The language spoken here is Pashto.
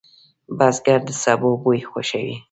بزګر د سبو بوی خوښوي